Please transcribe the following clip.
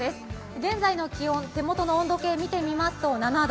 現在の気温、手元の温度計を見てみますと７度。